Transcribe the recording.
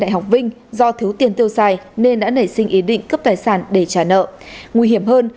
học vinh do thiếu tiền tiêu xài nên đã nảy sinh ý định cướp tài sản để trả nợ nguy hiểm hơn